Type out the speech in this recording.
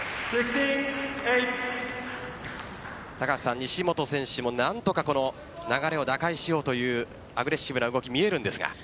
西本選手も何とか流れを打開しようというアグレッシブな動きが見えるんですが。